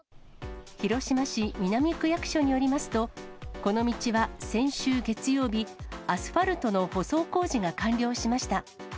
広島市南区役所によりますと、この道は先週月曜日、アスファルトの舗装工事が完了しました。